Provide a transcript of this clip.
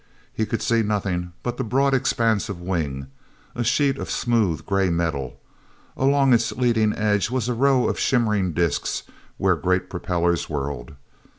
He could see nothing but the broad expanse of wing, a sheet of smooth gray metal. Along its leading edge was a row of shimmering disks where great propellers whirled.